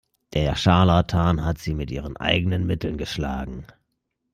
Der Scharlatan hat sie mit ihren eigenen Mitteln geschlagen.